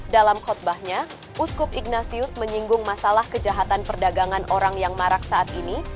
dalam khutbahnya uskup ignatius menyinggung masalah kejahatan perdagangan orang yang marak saat ini